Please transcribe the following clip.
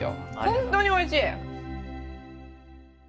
本当においしい！